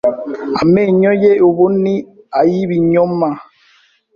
Amenyo ye ubu ni ay'ibinyoma